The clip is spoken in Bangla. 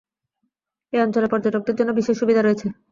এই অঞ্চলে পর্যটকদের জন্য বিশেষ সুবিধা রয়েছে।